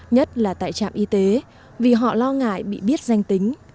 nhất là tại trạm y tế vì họ lo ngại bị biết danh tính